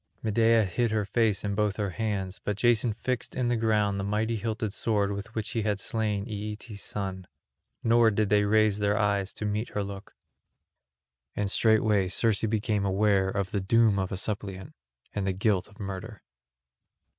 Medea hid her face in both her hands, but Jason fixed in the ground the mighty hilted sword with which he had slain Aeetes' son; nor did they raise their eyes to meet her look. And straightway Circe became aware of the doom of a suppliant and the guilt of murder.